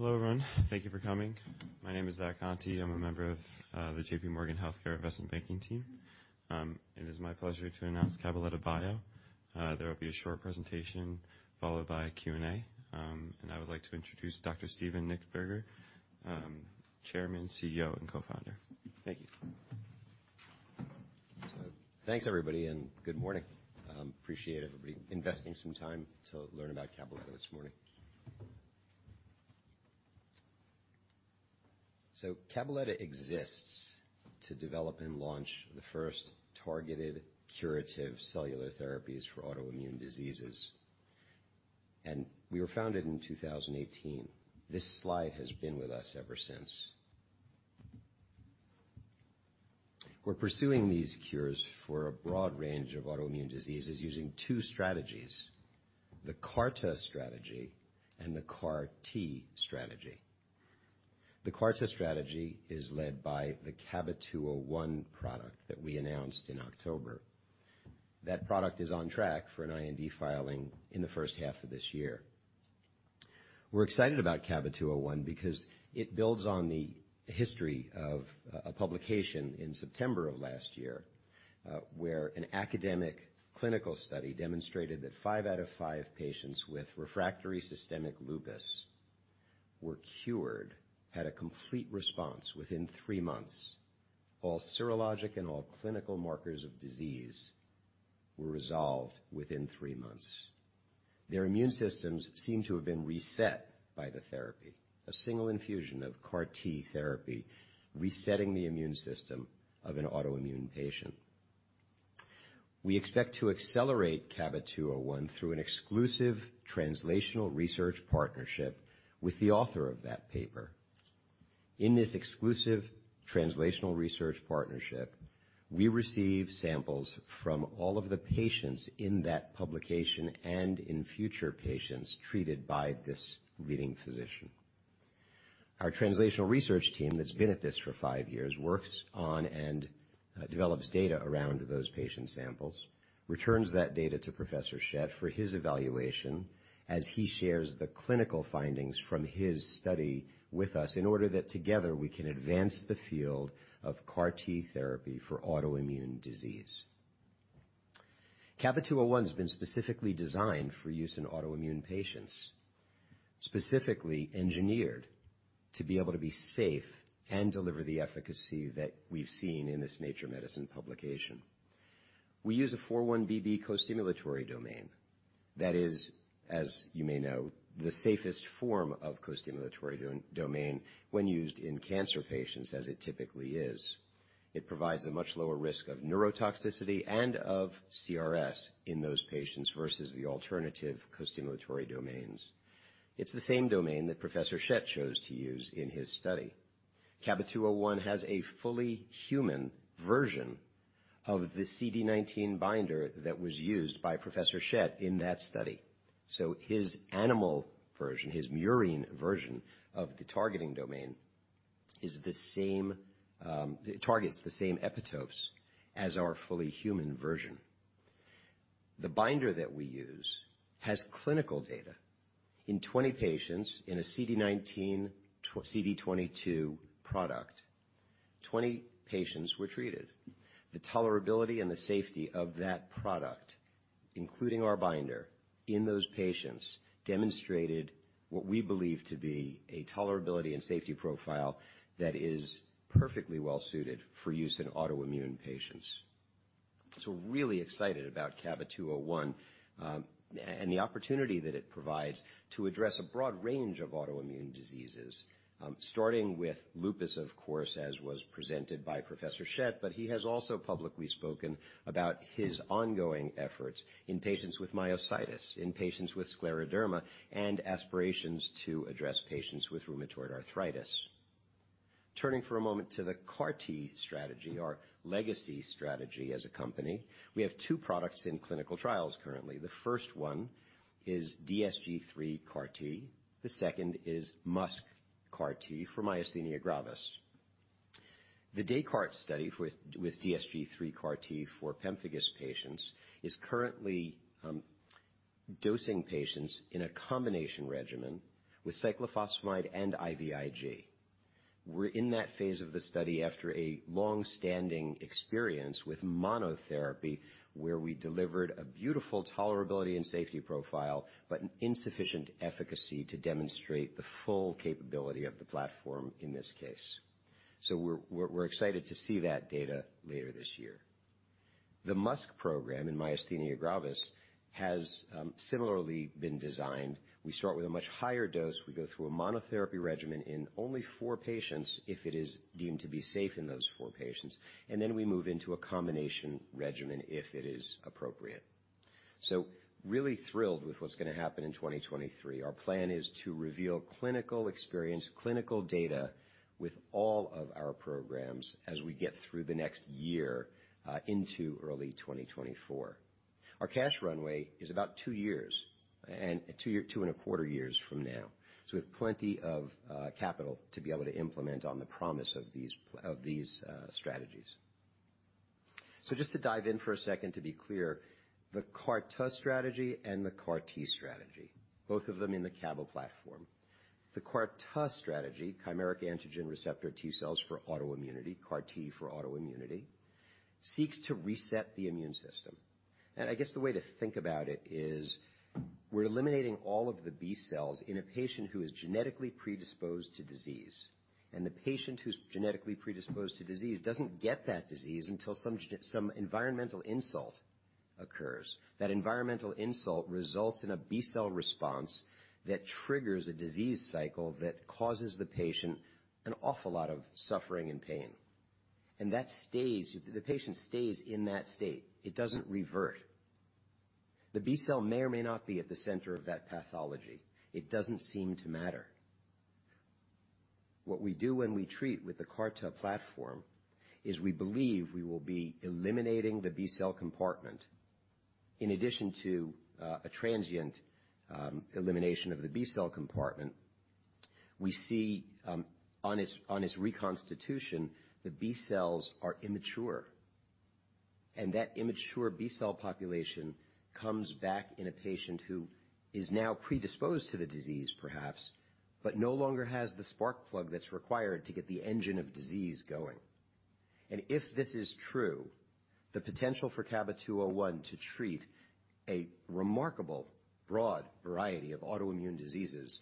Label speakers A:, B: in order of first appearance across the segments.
A: Hello, everyone. Thank you for coming. My name is Zachary Conti. I'm a member of the J.P. Morgan Healthcare Investment Banking team. It is my pleasure to announce Cabaletta Bio. There will be a short presentation, followed by a Q&A. I would like to introduce Dr. Steven Nichtberger, Chairman, CEO, and Co-founder. Thank you.
B: Thanks, everybody, and good morning. Appreciate everybody investing some time to learn about Cabaletta this morning. Cabaletta exists to develop and launch the first targeted curative cellular therapies for autoimmune diseases. We were founded in 2018. This slide has been with us ever since. We're pursuing these cures for a broad range of autoimmune diseases using two strategies, the CAR-T strategy and the CAR-T strategy. The CAR-T strategy is led by the CABA-201 product that we announced in October. That product is on track for an IND filing in the first half of this year. We're excited about CABA-201 because it builds on the history of a publication in September of last year, where an academic clinical study demonstrated that five out of five patients with refractory systemic lupus were cured, had a complete response within three months. All serologic and all clinical markers of disease were resolved within three months. Their immune systems seem to have been reset by the therapy, a single infusion of CAR-T therapy resetting the immune system of an autoimmune patient. We expect to accelerate CABA-201 through an exclusive translational research partnership with the author of that paper. In this exclusive translational research partnership, we receive samples from all of the patients in that publication and in future patients treated by this leading physician. Our translational research team, that's been at this for five years, works on and develops data around those patient samples, returns that data to Professor Schett for his evaluation as he shares the clinical findings from his study with us in order that together we can advance the field of CAR-T therapy for autoimmune disease. CABA-201's been specifically designed for use in autoimmune patients, specifically engineered to be able to be safe and deliver the efficacy that we've seen in this Nature Medicine publication. We use a 4-1BB costimulatory domain that is, as you may know, the safest form of costimulatory domain when used in cancer patients as it typically is. It provides a much lower risk of neurotoxicity and of CRS in those patients versus the alternative costimulatory domains. It's the same domain that Professor Schett chose to use in his study. CABA-201 has a fully human version of the CD19 binder that was used by Professor Schett in that study. His animal version, his murine version of the targeting domain, is the same, it targets the same epitopes as our fully human version. The binder that we use has clinical data. In 20 patients in a CD19, CD22 product, 20 patients were treated. The tolerability and the safety of that product, including our binder in those patients, demonstrated what we believe to be a tolerability and safety profile that is perfectly well suited for use in autoimmune patients. We're really excited about CABA-201 and the opportunity that it provides to address a broad range of autoimmune diseases, starting with lupus, of course, as was presented by Professor Schett, but he has also publicly spoken about his ongoing efforts in patients with myositis, in patients with scleroderma, and aspirations to address patients with rheumatoid arthritis. Turning for a moment to the CAR-T strategy, our legacy strategy as a company, we have 2 products in clinical trials currently. The first one is DSG3-CAART, the second is MuSK-CAART for myasthenia gravis. The DesCAARTes study with DSG3-CAART for pemphigus patients is currently dosing patients in a combination regimen with cyclophosphamide and IVIg. We're in that phase of the study after a long-standing experience with monotherapy where we delivered a beautiful tolerability and safety profile, but insufficient efficacy to demonstrate the full capability of the platform in this case. We're excited to see that data later this year. The MuSK program in myasthenia gravis has similarly been designed. We start with a much higher dose. We go through a monotherapy regimen in only four patients if it is deemed to be safe in those four patients, and then we move into a combination regimen if it is appropriate. Really thrilled with what's gonna happen in 2023. Our plan is to reveal clinical experience, clinical data with all of our programs as we get through the next year, into early 2024. Our cash runway is about two years and two and a quarter years from now, we have plenty of capital to be able to implement on the promise of these strategies. Just to dive in for a second to be clear, the CAR-T strategy and the CAR-T strategy, both of them in the CABA platform. The CAR-T strategy, chimeric antigen receptor T-cells for autoimmunity, CAR-T for autoimmunity, seeks to reset the immune system. I guess the way to think about it is we're eliminating all of the B cells in a patient who is genetically predisposed to disease, and the patient who's genetically predisposed to disease doesn't get that disease until some environmental insult occurs. That environmental insult results in a B cell response that triggers a disease cycle that causes the patient an awful lot of suffering and pain. That stays. The patient stays in that state. It doesn't revert. The B cell may or may not be at the center of that pathology. It doesn't seem to matter. What we do when we treat with the CAR-T platform is we believe we will be eliminating the B cell compartment. In addition to a transient elimination of the B-cell compartment, we see on its reconstitution, the B-cells are immature, and that immature B-cell population comes back in a patient who is now predisposed to the disease perhaps, but no longer has the spark plug that's required to get the engine of disease going. If this is true, the potential for CABA-201 to treat a remarkable broad variety of autoimmune diseases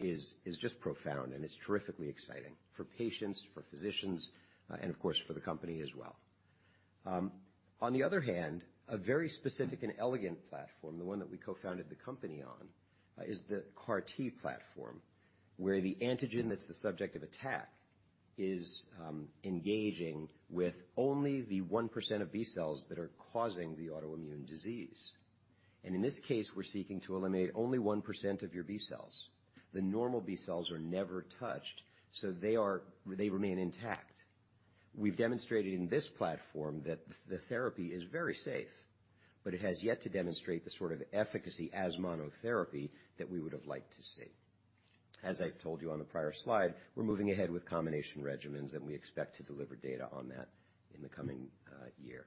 B: is just profound and it's terrifically exciting for patients, for physicians, and of course, for the company as well. On the other hand, a very specific and elegant platform, the one that we co-founded the company on, is the CAR-T platform, where the antigen that's the subject of attack is engaging with only the 1% of B cells that are causing the autoimmune disease. In this case, we're seeking to eliminate only 1% of your B cells. The normal B cells are never touched, so they remain intact. We've demonstrated in this platform that the therapy is very safe, but it has yet to demonstrate the sort of efficacy as monotherapy that we would've liked to see. As I've told you on the prior slide, we're moving ahead with combination regimens, and we expect to deliver data on that in the coming year.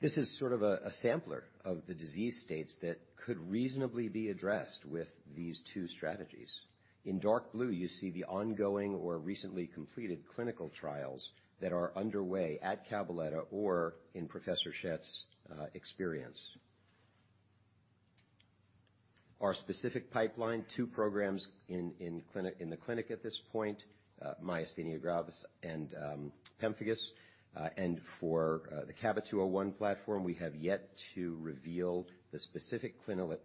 B: This is sort of a sampler of the disease states that could reasonably be addressed with these two strategies. In dark blue, you see the ongoing or recently completed clinical trials that are underway at Cabaletta or in Professor Schett's experience. Our specific pipeline, two programs in the clinic at this point, myasthenia gravis and pemphigus. For the CABA-201 platform, we have yet to reveal the specific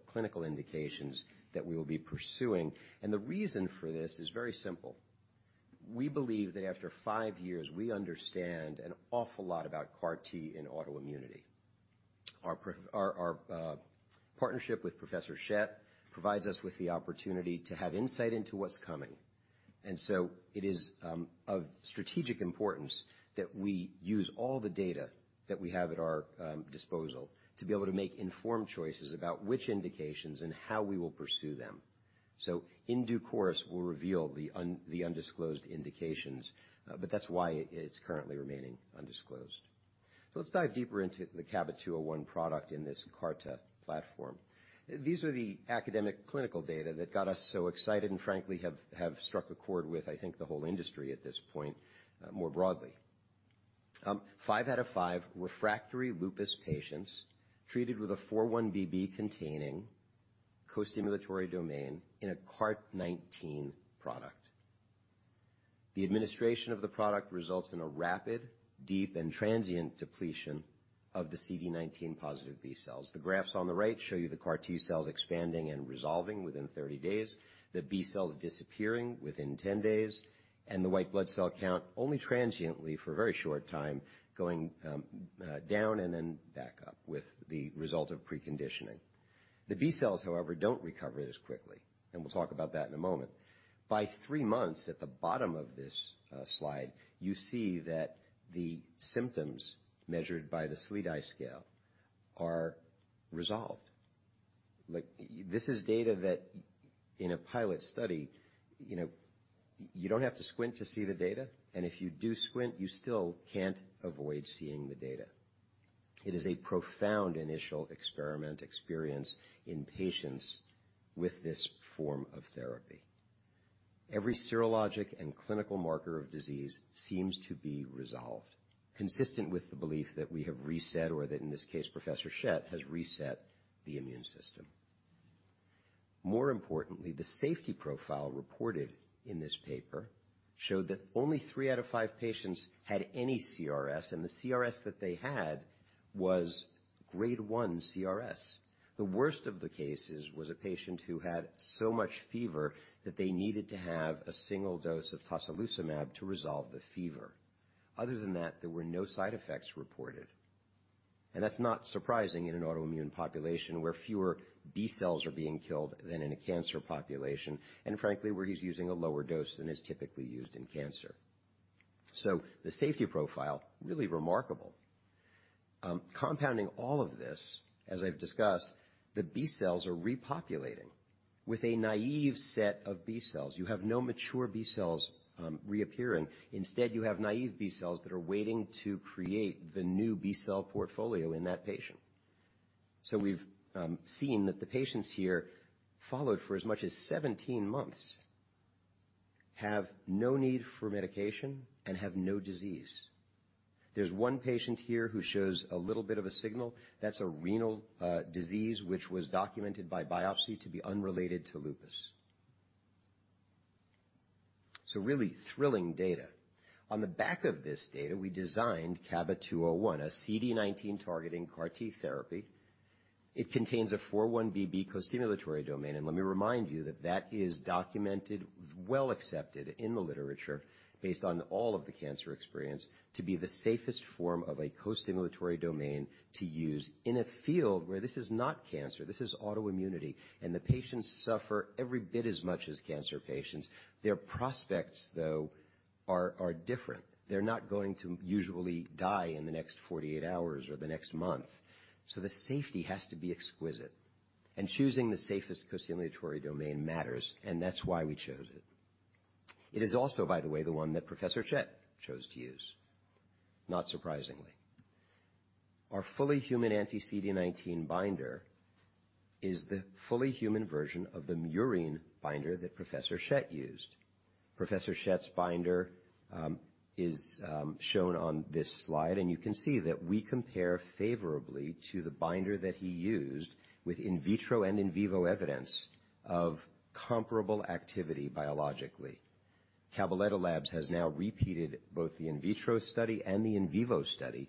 B: clinical indications that we will be pursuing, and the reason for this is very simple. We believe that after five years, we understand an awful lot about CAR-T in autoimmunity. Our partnership with Professor Schett provides us with the opportunity to have insight into what's coming. It is of strategic importance that we use all the data that we have at our disposal to be able to make informed choices about which indications and how we will pursue them. In due course, we'll reveal the undisclosed indications, but that's why it's currently remaining undisclosed. Let's dive deeper into the CABA-201 product in this CAR T platform. These are the academic clinical data that got us so excited and frankly, have struck a chord with, I think, the whole industry at this point, more broadly. 5 out of 5 refractory lupus patients treated with a 4-1BB containing costimulatory domain in a CART19 product. The administration of the product results in a rapid, deep, and transient depletion of the CD19 positive B cells. The graphs on the right show you the CAR T cells expanding and resolving within 30 days, the B-cells disappearing within 10 days, and the white blood cell count only transiently for a very short time, going down and then back up with the result of preconditioning. The B-cells, however, don't recover as quickly, and we'll talk about that in a moment. By three months at the bottom of this slide, you see that the symptoms measured by the SLEDAI scale are resolved. Like this is data that in a pilot study, you know, you don't have to squint to see the data, and if you do squint, you still can't avoid seeing the data. It is a profound initial experiment experience in patients with this form of therapy. Every serologic and clinical marker of disease seems to be resolved, consistent with the belief that we have reset or that in this case, Professor Schett has reset the immune system. More importantly, the safety profile reported in this paper showed that only three out of five patients had any CRS, and the CRS that they had was grade one CRS. The worst of the cases was a patient who had so much fever that they needed to have a single dose of tocilizumab to resolve the fever. Other than that, there were no side effects reported. That's not surprising in an autoimmune population where fewer B cells are being killed than in a cancer population, and frankly, where he's using a lower dose than is typically used in cancer. The safety profile, really remarkable. Compounding all of this, as I've discussed, the B cells are repopulating with a naive set of B cells. You have no mature B cells, reappearing. Instead, you have naive B cells that are waiting to create the new B cell portfolio in that patient. We've seen that the patients here followed for as much as 17 months, have no need for medication and have no disease. There's one patient here who shows a little bit of a signal. That's a renal disease which was documented by biopsy to be unrelated to lupus. Really thrilling data. On the back of this data, we designed CABA-201, a CD19 targeting CAR T therapy. It contains a 4-1BB costimulatory domain. Let me remind you that that is documented, well accepted in the literature based on all of the cancer experience to be the safest form of a costimulatory domain to use in a field where this is not cancer, this is autoimmunity, and the patients suffer every bit as much as cancer patients. Their prospects, though, are different. They're not going to usually die in the next 48 hours or the next month. The safety has to be exquisite. Choosing the safest costimulatory domain matters, and that's why we chose it. It is also, by the way, the one that Professor Schett chose to use, not surprisingly. Our fully human anti-CD19 binder is the fully human version of the murine binder that Professor Schett used. Professor Schett's binder is shown on this slide, and you can see that we compare favorably to the binder that he used with in vitro and in vivo evidence of comparable activity biologically. Cabaletta Labs has now repeated both the in vitro study and the in vivo study.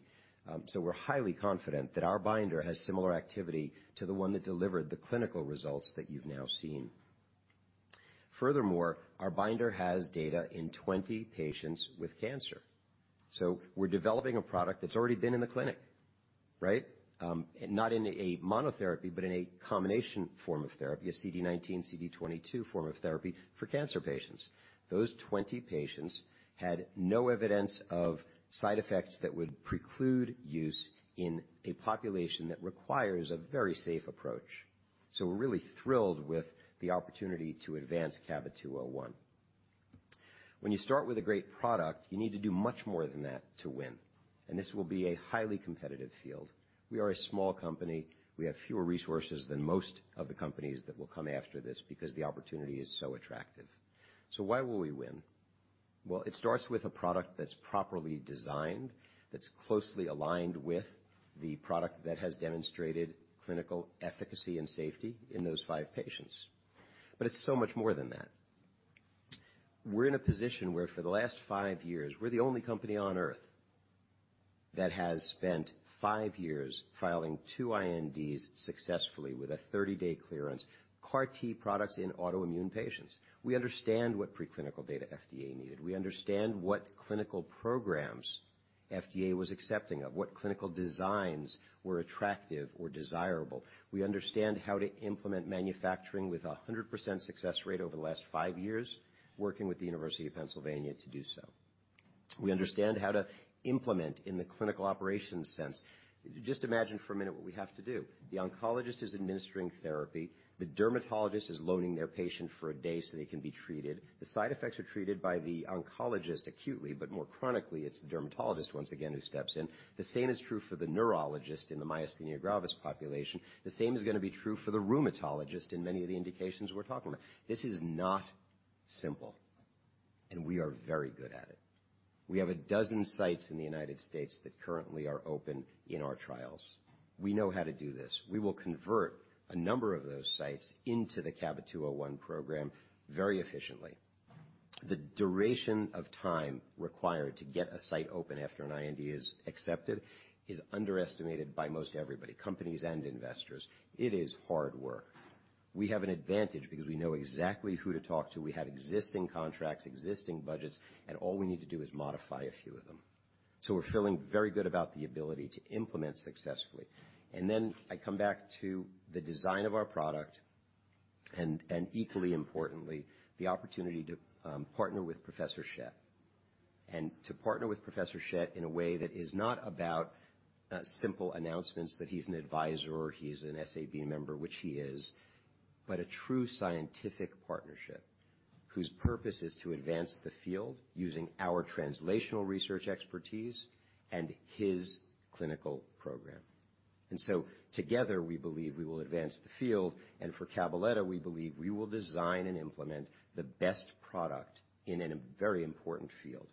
B: We're highly confident that our binder has similar activity to the one that delivered the clinical results that you've now seen. Our binder has data in 20 patients with cancer. We're developing a product that's already been in the clinic, right? Not in a monotherapy, but in a combination form of therapy, a CD19, CD22 form of therapy for cancer patients. Those 20 patients had no evidence of side effects that would preclude use in a population that requires a very safe approach. We're really thrilled with the opportunity to advance CABA-201. When you start with a great product, you need to do much more than that to win, and this will be a highly competitive field. We are a small company. We have fewer resources than most of the companies that will come after this because the opportunity is so attractive. Why will we win? Well, it starts with a product that's properly designed, that's closely aligned with the product that has demonstrated clinical efficacy and safety in those five patients. It's so much more than that. We're in a position where for the last five years, we're the only company on Earth that has spent five years filing two INDs successfully with a 30-day clearance, CAR-T products in autoimmune patients. We understand what preclinical data FDA needed. We understand what clinical programs FDA was accepting of, what clinical designs were attractive or desirable. We understand how to implement manufacturing with a 100% success rate over the last five years, working with the University of Pennsylvania to do so. We understand how to implement in the clinical operations sense. Just imagine for a minute what we have to do. The oncologist is administering therapy. The dermatologist is loading their patient for a day so they can be treated. The side effects are treated by the oncologist acutely, but more chronically, it's the dermatologist once again who steps in. The same is true for the neurologist in the myasthenia gravis population. The same is gonna be true for the rheumatologist in many of the indications we're talking about. This is not simple, and we are very good at it. We have 12 sites in the United States that currently are open in our trials. We know how to do this. We will convert a number of those sites into the CABA-201 program very efficiently. The duration of time required to get a site open after an IND is accepted is underestimated by most everybody, companies and investors. It is hard work. We have an advantage because we know exactly who to talk to. We have existing contracts, existing budgets, all we need to do is modify a few of them. We're feeling very good about the ability to implement successfully. I come back to the design of our product and equally importantly, the opportunity to partner with Professor Schett. To partner with Professor Schett in a way that is not about simple announcements that he's an advisor or he's an SAB member, which he is, but a true scientific partnership whose purpose is to advance the field using our translational research expertise and his clinical program. Together, we believe we will advance the field. For Cabaletta, we believe we will design and implement the best product in a very important field.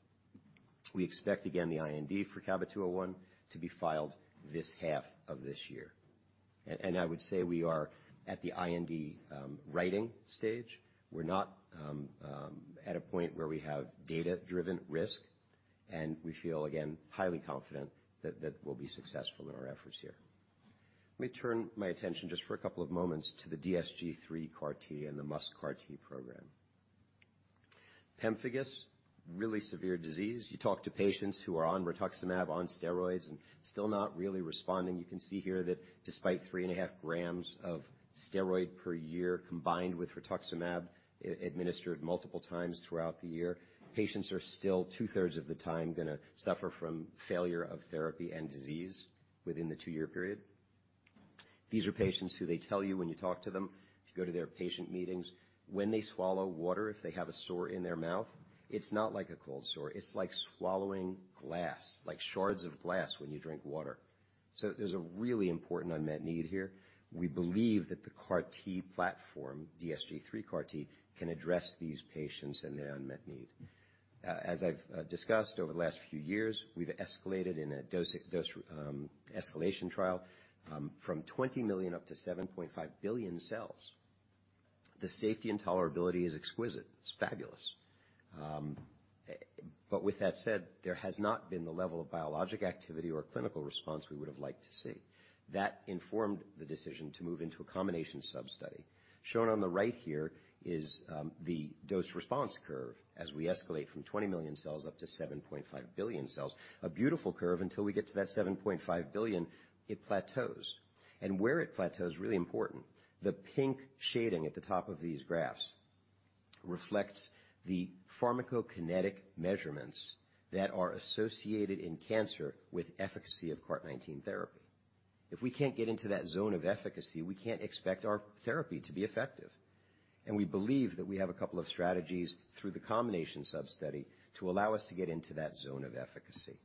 B: We expect, again, the IND for CABA-201 to be filed this half of this year. I would say we are at the IND writing stage. We're not at a point where we have data-driven risk, and we feel, again, highly confident that we'll be successful in our efforts here. Let me turn my attention just for a couple of moments to the DSG3 CAART and the MuSK CART program. Pemphigus, really severe disease. You talk to patients who are on rituximab, on steroids, and still not really responding. You can see here that despite 3.5 grams of steroid per year combined with rituximab administered multiple times throughout the year, patients are still two-thirds of the time gonna suffer from failure of therapy and disease within the two-year period. These are patients who they tell you when you talk to them, if you go to their patient meetings, when they swallow water, if they have a sore in their mouth, it's not like a cold sore. It's like swallowing glass, like shards of glass when you drink water. There's a really important unmet need here. We believe that the CAR T platform, DSG3 CAR T, can address these patients and their unmet need. As I've discussed over the last few years, we've escalated in a dose escalation trial from 20 million up to 7.5 billion cells. The safety and tolerability is exquisite. It's fabulous. With that said, there has not been the level of biologic activity or clinical response we would have liked to see. That informed the decision to move into a combination sub-study. Shown on the right here is the dose response curve as we escalate from 20 million cells up to 7.5 billion cells. A beautiful curve until we get to that 7.5 billion, it plateaus. Where it plateaus is really important. The pink shading at the top of these graphs reflects the pharmacokinetic measurements that are associated in cancer with efficacy of CART19 therapy. If we can't get into that zone of efficacy, we can't expect our therapy to be effective. We believe that we have a couple of strategies through the combination sub-study to allow us to get into that zone of efficacy.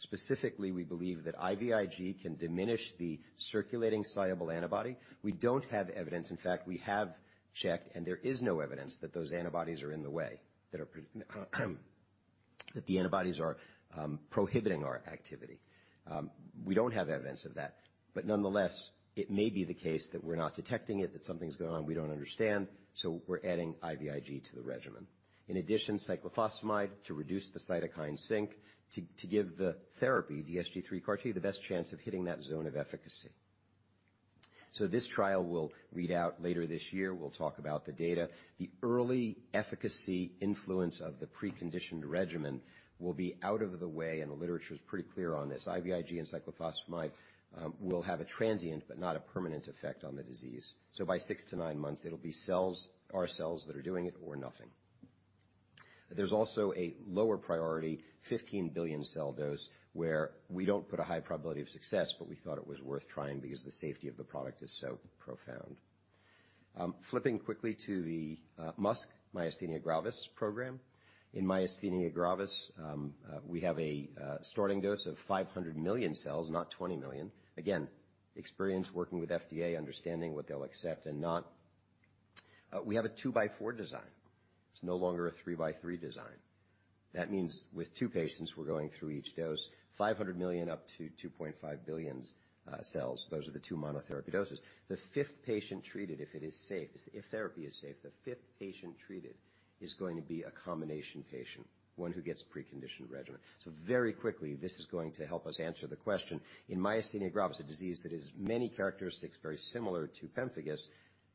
B: Specifically, we believe that IVIg can diminish the circulating soluble antibody. We don't have evidence. In fact, we have checked, and there is no evidence that those antibodies are in the way, that the antibodies are prohibiting our activity. We don't have evidence of that. Nonetheless, it may be the case that we're not detecting it, that something's going on we don't understand, so we're adding IVIg to the regimen. In addition, cyclophosphamide to reduce the cytokine sink to give the therapy, the DSG3 CAR T, the best chance of hitting that zone of efficacy. This trial will read out later this year. We'll talk about the data. The early efficacy influence of the preconditioned regimen will be out of the way, and the literature is pretty clear on this. IVIg and cyclophosphamide will have a transient but not a permanent effect on the disease. By six-nine months, it'll be cells, our cells that are doing it or nothing. There's also a lower priority, 15 billion cell dose, where we don't put a high probability of success, but we thought it was worth trying because the safety of the product is so profound. Flipping quickly to the MuSK myasthenia gravis program. In myasthenia gravis, we have a starting dose of 500 million cells, not 20 million. Experience working with FDA, understanding what they'll accept and not. We have a two-by-four design. It's no longer a three-by-three design. That means with two patients, we're going through each dose, 500 million up to 2.5 billion cells. Those are the two monotherapy doses. The fifth patient treated, if therapy is safe, the fifth patient treated is going to be a combination patient, one who gets preconditioned regimen. Very quickly, this is going to help us answer the question. In myasthenia gravis, a disease that has many characteristics very similar to pemphigus,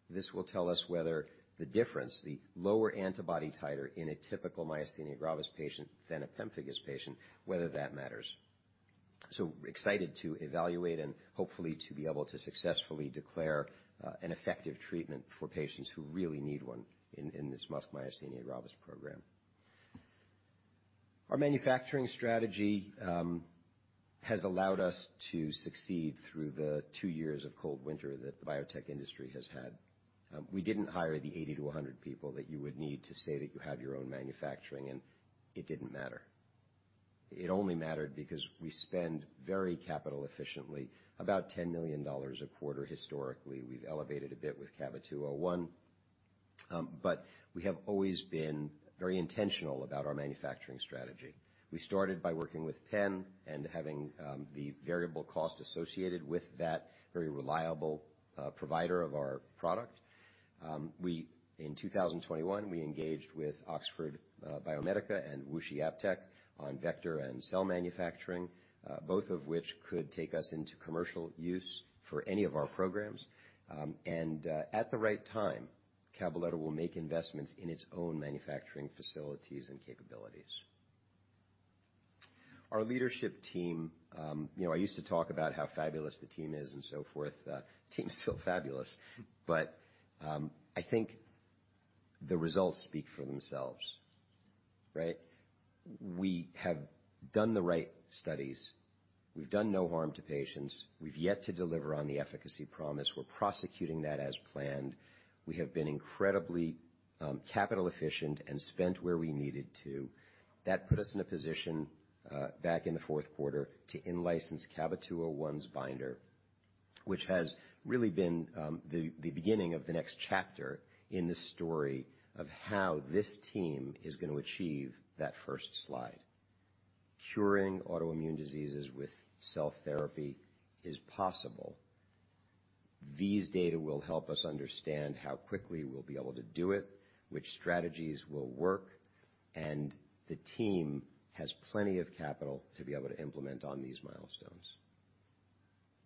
B: this will tell us whether the difference, the lower antibody titer in a typical myasthenia gravis patient than a pemphigus patient, whether that matters. Excited to evaluate and hopefully to be able to successfully declare an effective treatment for patients who really need one in this MuSK myasthenia gravis program. Our manufacturing strategy has allowed us to succeed through the two years of cold winter that the biotech industry has had. We didn't hire the 80-100 people that you would need to say that you have your own manufacturing, and it didn't matter. It only mattered because we spend very capital efficiently, about $10 million a quarter historically. We've elevated a bit with CABA-201, but we have always been very intentional about our manufacturing strategy. We started by working with Penn and having the variable cost associated with that very reliable provider of our product. In 2021, we engaged with Oxford Biomedica and WuXi AppTec on vector and cell manufacturing, both of which could take us into commercial use for any of our programs. At the right time, Cabaletta will make investments in its own manufacturing facilities and capabilities. Our leadership team, you know, I used to talk about how fabulous the team is and so forth. Team's still fabulous, I think the results speak for themselves. Right? We have done the right studies. We've done no harm to patients. We've yet to deliver on the efficacy promise. We're prosecuting that as planned. We have been incredibly capital efficient and spent where we needed to. That put us in a position back in the fourth quarter to in-license CABA-201's binder, which has really been the beginning of the next chapter in this story of how this team is gonna achieve that first slide. Curing autoimmune diseases with cell therapy is possible. These data will help us understand how quickly we'll be able to do it, which strategies will work, and the team has plenty of capital to be able to implement on these milestones.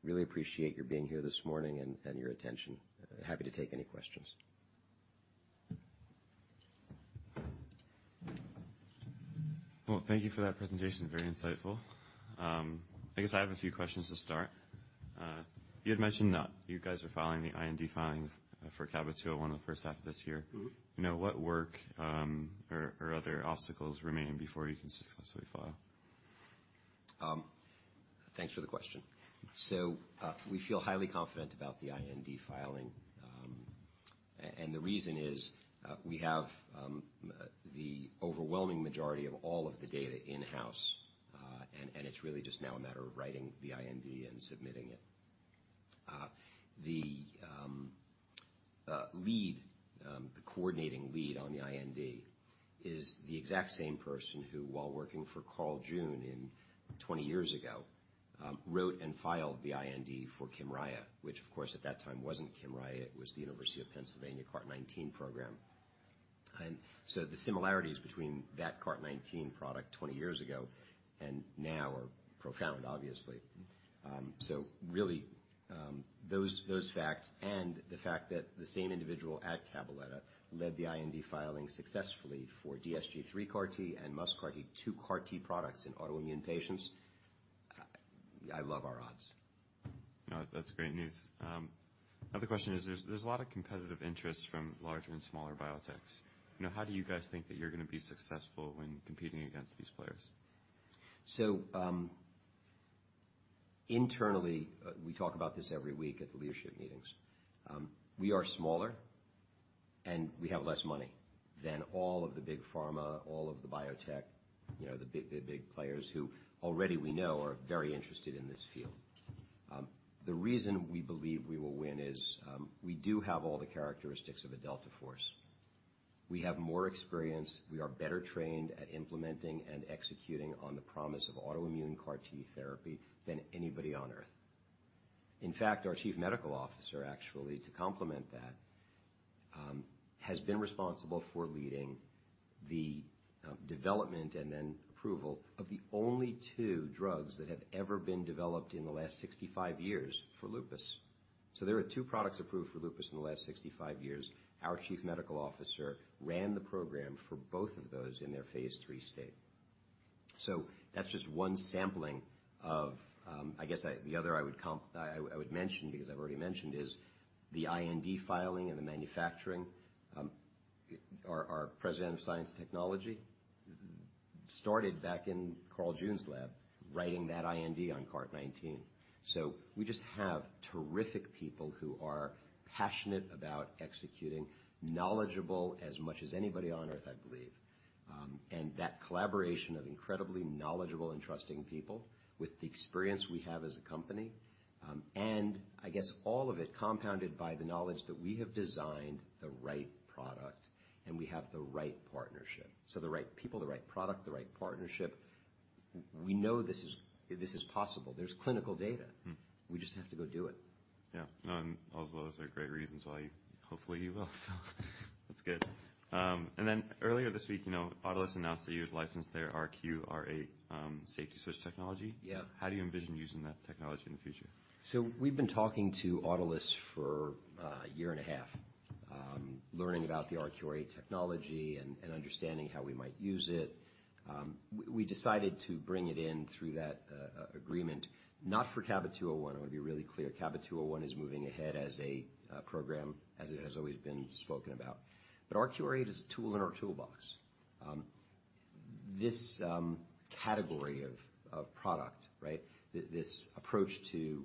B: Really appreciate your being here this morning and your attention. Happy to take any questions.
A: Well, thank you for that presentation. Very insightful. I guess I have a few questions to start. You had mentioned that you guys are filing the IND filing for CABA-201 in the first half of this year.
B: Mm-hmm.
A: You know, what work, or other obstacles remain before you can successfully file?
B: Thanks for the question. We feel highly confident about the IND filing. And the reason is, we have the overwhelming majority of all of the data in-house. And it's really just now a matter of writing the IND and submitting it. The lead, the coordinating lead on the IND is the exact same person who, while working for Carl June in... 20 years ago, wrote and filed the IND for Kymriah, which of course at that time wasn't Kymriah, it was the University of Pennsylvania CART19 program. The similarities between that CART19 product 20 years ago and now are profound, obviously. Really, those facts and the fact that the same individual at Cabaletta led the IND filing successfully for DSG3 CAR-T and MuSK CAR-T, two CAR-T products in autoimmune patients. I love our odds.
A: That's great news. Another question is, there's a lot of competitive interest from larger and smaller biotechs. You know, how do you guys think that you're gonna be successful when competing against these players?
B: Internally, we talk about this every week at the leadership meetings. We are smaller and we have less money than all of the big pharma, all of the biotech, you know, the big, the big players who already we know are very interested in this field. The reason we believe we will win is, we do have all the characteristics of a delta force. We have more experience, we are better trained at implementing and executing on the promise of autoimmune CAR-T therapy than anybody on Earth. In fact, our chief medical officer actually, to complement that, has been responsible for leading the development and then approval of the only two drugs that have ever been developed in the last 65 years for lupus. There are two products approved for lupus in the last 65 years. Our chief medical officer ran the program for both of those in their Phase III state. That's just one sampling of. The other I would mention because I've already mentioned is the IND filing and the manufacturing. Our President of Science Technology started back in Carl June's lab writing that IND on CART19. We just have terrific people who are passionate about executing, knowledgeable as much as anybody on Earth, I believe. That collaboration of incredibly knowledgeable and trusting people with the experience we have as a company, and I guess all of it compounded by the knowledge that we have designed the right product and we have the right partnership. The right people, the right product, the right partnership. We know this is possible. There's clinical data.
A: Mm.
B: We just have to go do it.
A: Yeah. No, also those are great reasons why hopefully you will. That's good. Earlier this week, you know, Autolus announced that you had licensed their RQR8 safety switch technology.
B: Yeah.
A: How do you envision using that technology in the future?
B: We've been talking to Autolus for a year and a half, learning about the RQR8 technology and understanding how we might use it. We decided to bring it in through that agreement, not for CABA-201. I wanna be really clear. CABA-201 is moving ahead as a program, as it has always been spoken about. RQR8 is a tool in our toolbox. This category of product, right? This approach to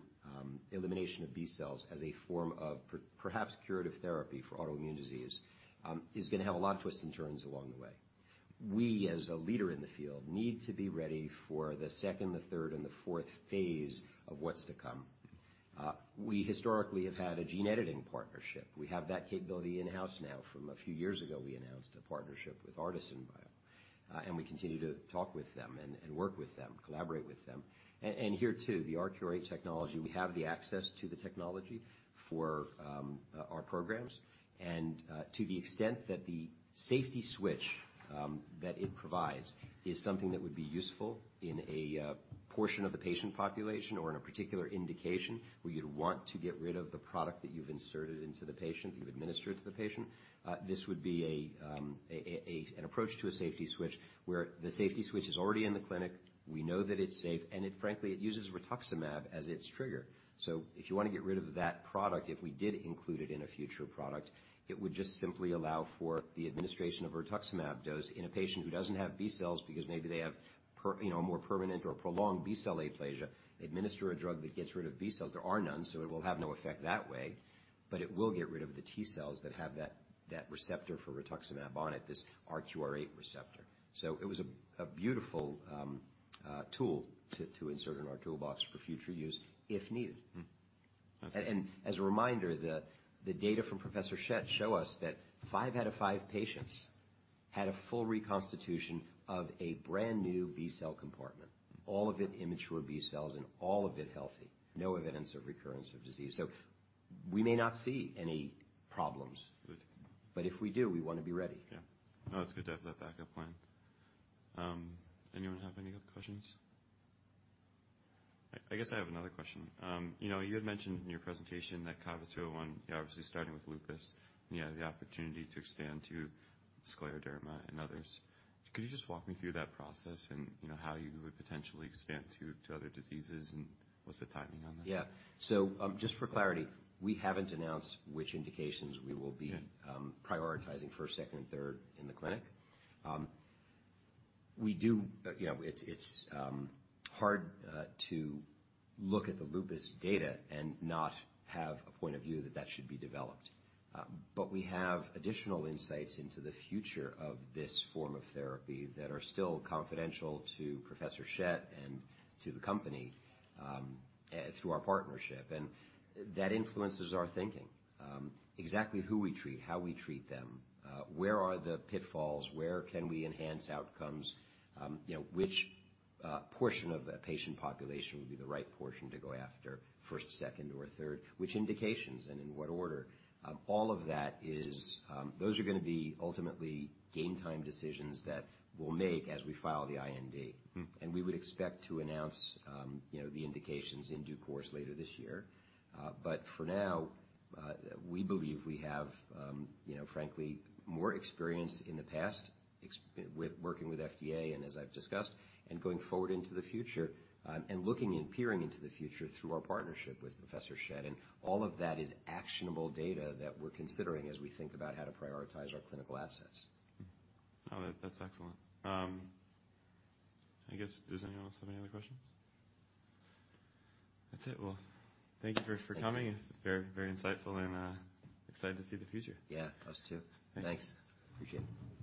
B: elimination of B cells as a form of perhaps curative therapy for autoimmune disease, is gonna have a lot of twists and turns along the way. We, as a leader in the field, need to be ready for the second, the third, and the fourth phase of what's to come. We historically have had a gene editing partnership. We have that capability in-house now from a few years ago, we announced a partnership with Artisan Bio. We continue to talk with them and work with them, collaborate with them. Here too, the RQR8 technology, we have the access to the technology for our programs. To the extent that the safety switch that it provides is something that would be useful in a portion of the patient population or in a particular indication, where you'd want to get rid of the product that you've inserted into the patient, you've administered to the patient. This would be an approach to a safety switch, where the safety switch is already in the clinic. We know that it's safe, and it frankly uses rituximab as its trigger. If you wanna get rid of that product, if we did include it in a future product, it would just simply allow for the administration of rituximab dose in a patient who doesn't have B-cells because maybe they have you know, more permanent or prolonged B-cell aplasia. Administer a drug that gets rid of B-cells, there are none, so it will have no effect that way. It will get rid of the T cells that have that receptor for rituximab on it, this RQR8 receptor. It was a beautiful tool to insert in our toolbox for future use if needed As a reminder, the data from Georg Schett show us that 5 out of 5 patients had a full reconstitution of a brand-new B-cell compartment, all of it immature B cells and all of it healthy. No evidence of recurrence of disease. We may not see any problems.
A: Good.
B: If we do, we wanna be ready.
A: Yeah. No, it's good to have that backup plan. Anyone have any other questions? I guess I have another question. You know, you had mentioned in your presentation that CABA-201, you're obviously starting with lupus, and you have the opportunity to expand to scleroderma and others. Could you just walk me through that process and, you know, how you would potentially expand to other diseases and what's the timing on that?
B: Yeah. Just for clarity, we haven't announced which indications we will. prioritizing first, second, third in the clinic. You know, it's hard to look at the lupus data and not have a point of view that that should be developed. We have additional insights into the future of this form of therapy that are still confidential to Georg Schett and to the company through our partnership. That influences our thinking, exactly who we treat, how we treat them, where are the pitfalls, where can we enhance outcomes, you know, which portion of the patient population would be the right portion to go after first, second or third, which indications and in what order. Those are gonna be ultimately gain time decisions that we'll make as we file the IND.
A: Mm.
B: We would expect to announce, you know, the indications in due course later this year. For now, we believe we have, you know, frankly, more experience in the past with working with FDA and as I've discussed, and going forward into the future, and looking and peering into the future through our partnership with Georg Schett. All of that is actionable data that we're considering as we think about how to prioritize our clinical assets.
A: No, that's excellent. I guess, does anyone else have any other questions? That's it. Well, thank you for coming.
B: Thank you.
A: It's very, very insightful and excited to see the future.
B: Yeah, us too.
A: Thanks.
B: Thanks. Appreciate it.